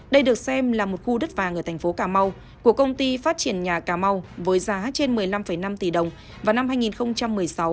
đây được xem là một khu đất vàng ở thành phố cà mau của công ty phát triển nhà cà mau với giá trên một mươi năm năm tỷ đồng vào năm hai nghìn một mươi sáu